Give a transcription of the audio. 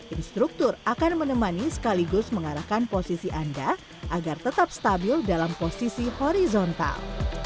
instruktur akan menemani sekaligus mengarahkan posisi anda agar tetap stabil dalam posisi horizontal